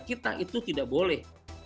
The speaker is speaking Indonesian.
kita itu tidak boleh